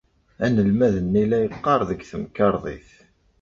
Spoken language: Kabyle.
Anelmad-nni la yeqqar deg temkarḍit.